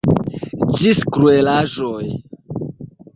Ĝis kruelaĵoj.